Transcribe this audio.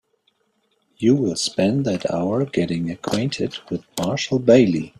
You will spend that hour getting acquainted with Marshall Bailey.